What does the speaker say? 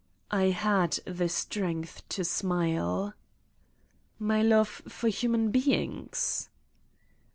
'' I had the strength to smile : "My love for human beings?"